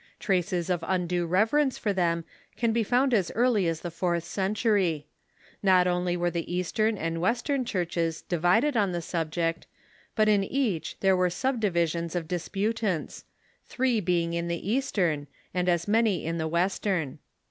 Traces of undue reverence for them can be found as eai'ly as the fourth century. Not only were the Image Eastern and Western Churches divided on the sub Controversy ..... ject, but in each there were subdivisions of dispu tants— three being in the Eastern, and as many in the West ern.